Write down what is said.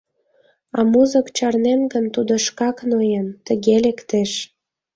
А музык чарнен гын, тудо шкак ноен, тыге лектеш.